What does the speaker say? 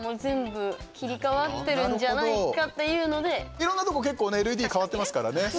いろんなとこ結構ＬＥＤに替わってますからね。